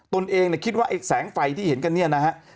เองคิดว่าไอ้แสงไฟที่เห็นกันเนี่ยนะฮะ